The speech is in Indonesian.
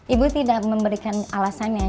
ibu tidak memberikan alasannya